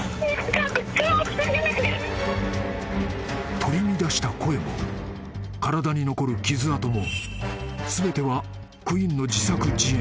［取り乱した声も体に残る傷跡も全てはクインの］